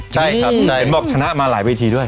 ใช่ครับแต่เห็นบอกชนะมาหลายเวทีด้วย